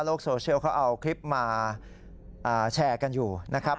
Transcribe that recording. โซเชียลเขาเอาคลิปมาแชร์กันอยู่นะครับ